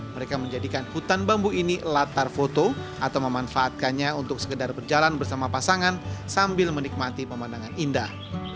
mereka menjadikan hutan bambu ini latar foto atau memanfaatkannya untuk sekedar berjalan bersama pasangan sambil menikmati pemandangan indah